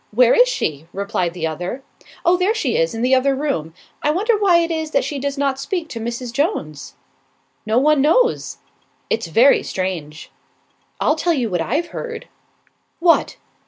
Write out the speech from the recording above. where is she?" replied the other. "Oh, there she is, in the other room. I wonder why it is that she does not speak to Mrs. Jones." "No one knows." "It's very strange." "I'll tell you what I've heard." "What?"